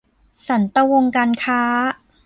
สันตะวงศ์การค้า